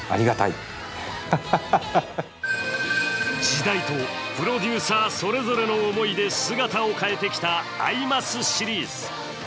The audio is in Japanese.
時代とプロデューサーそれぞれの思いで姿を変えてきた「アイマス」シリーズ。